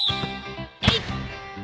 えい！